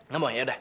gak mau ya udah